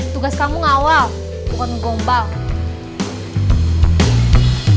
tugas kamu ngawal bukan gombal